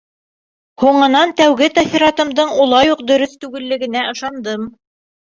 Һуңынан тәүге тәьҫоратымдың улай уҡ дөрөҫ түгеллегенә ышандым.